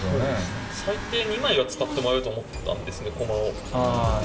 最低２枚は使ってもらえると思ったんですね駒を。